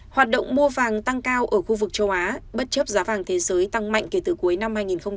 hoạt động mua vàng tăng cao ở khu vực châu á bất chấp giá vàng thế giới tăng mạnh kể từ cuối năm hai nghìn một mươi chín